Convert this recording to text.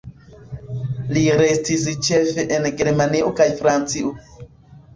Li restis ĉefe en Germanio kaj Francio.